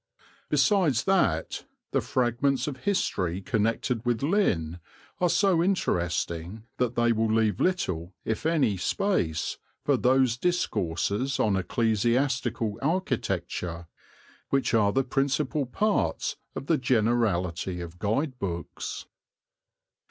Besides that, the fragments of history connected with Lynn are so interesting that they will leave little, if any, space for those discourses on ecclesiastical architecture which are the principal parts of the generality of guide books.